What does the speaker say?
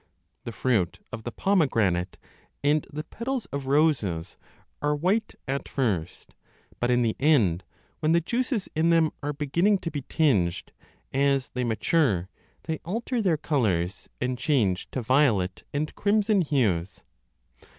The fruit of the 20 pomegranate and the petals of roses are white at first, but in the end, when the juices in them are beginning to be tinged as they mature, they alter their colours and change to violet and crimson hues.